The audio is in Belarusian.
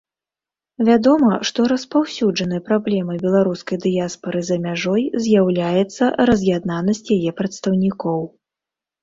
Вядома, што распаўсюджанай праблемай беларускай дыяспары за мяжой з'яўляецца раз'яднанасць яе прадстаўнікоў.